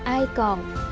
ai còn có